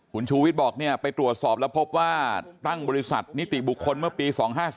คุณชูวิทย์บอกไปตรวจสอบแล้วพบว่าตั้งบริษัทนิติบุคคลเมื่อปี๒๕๔